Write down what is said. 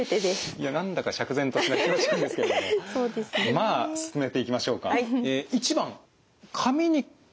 いや何だか釈然としない気持ちなんですけれどもまあ進めていきましょうか。